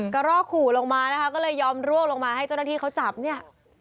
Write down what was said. กระรอกขู่ลงมานะคะก็เลยยอมร่วงลงมาให้เจ้าหน้าที่เขาจับเนี่ย